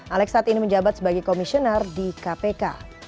alex saat ini menjabat sebagai komisioner di kpk